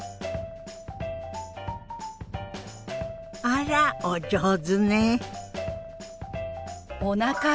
あらお上手ね。